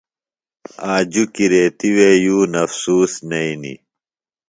آ جُکیۡ ریتیۡ وے یُون افسوس نئینیۡ۔